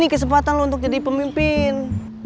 ini kesempatan untuk jadi pemimpin